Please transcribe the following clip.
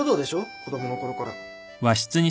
子供の頃から。